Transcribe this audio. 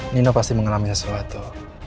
nino pasti mengalami sesuatu